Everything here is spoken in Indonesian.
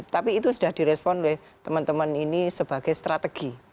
tapi itu sudah direspon oleh teman teman ini sebagai strategi